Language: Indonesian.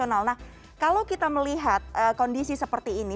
nah kalau kita melihat kondisi seperti ini